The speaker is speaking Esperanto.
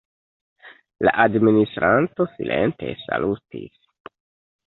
La administranto silente salutis.